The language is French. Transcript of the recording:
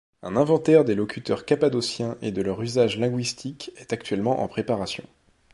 Un inventaire des locuteurs cappadociens et de leur usage linguistique est actuellement en préparation.